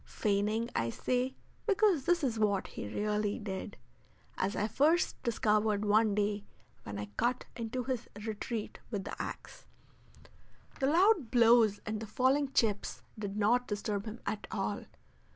Feigning, I say, because this is what he really did, as I first discovered one day when I cut into his retreat with the axe. The loud blows and the falling chips did not disturb him at all.